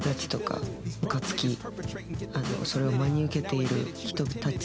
それを真に受けている人たち。